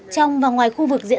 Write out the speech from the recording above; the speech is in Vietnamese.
trong và ngoài khu vực dễ dàng